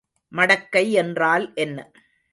மடக்கை என்றால் என்ன?